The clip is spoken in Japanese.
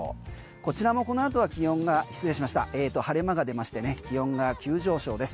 こちらもこの後は晴れ間が出まして気温が急上昇です。